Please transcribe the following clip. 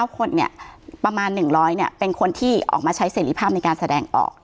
๙คนเนี่ยประมาณ๑๐๐เป็นคนที่ออกมาใช้เสร็จภาพในการแสดงออก